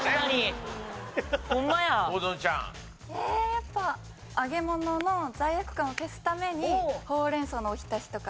やっぱ揚げ物の罪悪感を消すためにほうれん草のおひたしとか。